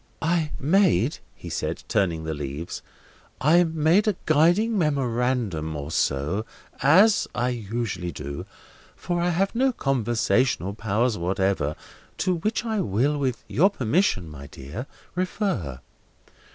"I made," he said, turning the leaves: "I made a guiding memorandum or so—as I usually do, for I have no conversational powers whatever—to which I will, with your permission, my dear, refer.